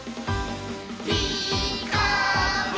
「ピーカーブ！」